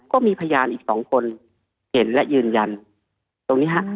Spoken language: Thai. ก็มีพยานอีกสองคนเห็นและยืนยันตรงนี้ฮะ